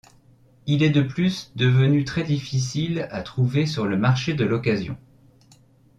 Il est de plus devenu très difficile à trouver sur le marché de l'occasion.